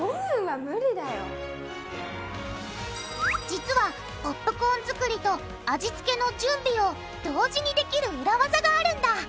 実はポップコーン作りと味付けの準備を同時にできる裏ワザがあるんだ。